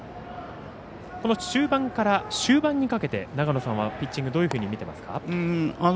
中盤から終盤にかけて長野さんはピッチングどのように見ていますか？